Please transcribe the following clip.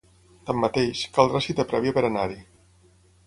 Tanmateix, caldrà cita prèvia per a anar-hi.